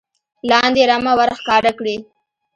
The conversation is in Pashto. لاندې رمه ور ښکاره کړي .